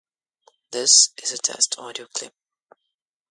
His cousin Solomon Juneau founded the city of Milwaukee, Wisconsin.